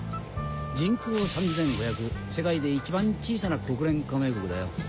人口３５００世界で一番小さな国連加盟国だよ。